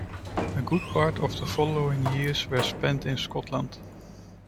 A good part of the following years were spent in Scotland.